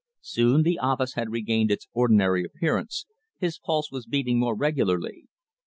Soon the office had regained its ordinary appearance, his pulse was beating more regularly.